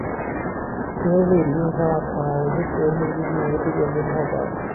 Quem eu veria em relação ao retorno do dinheiro do governo roubado?